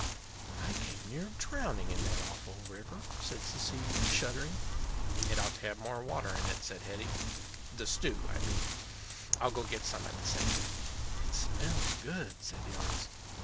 "I came near drowning in that awful river," said Cecilia, shuddering. "It ought to have more water in it," said Hetty; "the stew, I mean. I'll go get some at the sink." "It smells good," said the artist.